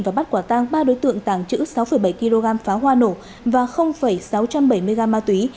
và bắt quả tang ba đối tượng tàng trữ sáu bảy kg pháo hoa nổ và sáu trăm bảy mươi gram ma túy